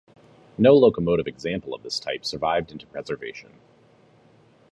No locomotive example of this type survived into preservation.